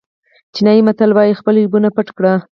چینایي متل وایي خپل عیبونه پټ کړئ.